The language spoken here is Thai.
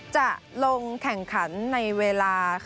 จะลงแข่งขันในเวลา